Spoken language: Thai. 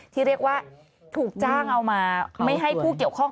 ที่เรียกว่าถูกจ้างเอามาไม่ให้ผู้เกี่ยวข้อง